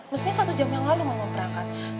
mestinya satu jam yang lalu mau berangkat